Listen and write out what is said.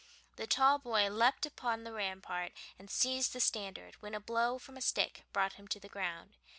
The tall boy leaped upon the rampart and seized the standard, when a blow from a stick brought him to the ground.